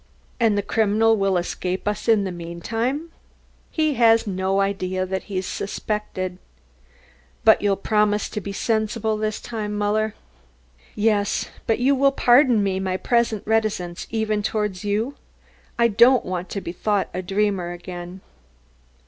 "And the criminal will escape us in the meantime." "He has no idea that he is suspected." "But you'll promise to be sensible this time, Muller?" "Yes. But you will pardon me my present reticence, even towards you? I I don't want to be thought a dreamer again."